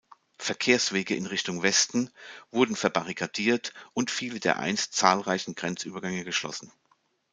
Verkehrswege in Richtung Westen wurden verbarrikadiert und viele der einst zahlreichen Grenzübergänge geschlossen.